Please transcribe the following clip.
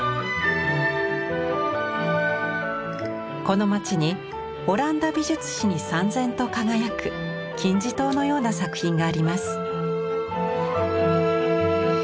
この街にオランダ美術史にさん然と輝く金字塔のような作品があります。